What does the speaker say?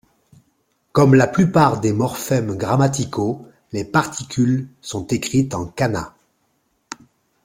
Comme la plupart des morphèmes grammaticaux, les particules sont écrites en kana.